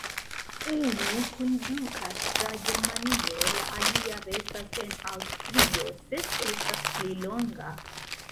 Unu kondukas tra Germanio, la alia restas en Aŭstrio, sed estas pli longa.